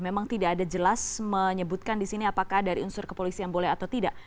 memang tidak ada jelas menyebutkan disini apakah dari unsur kepolisi yang boleh atau tidak